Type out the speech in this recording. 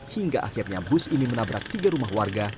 hingga akhirnya bus ini menabrak tiga rumah warga